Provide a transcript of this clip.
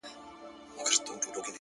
مـاتــه يــاديـــده اشـــــنـــا;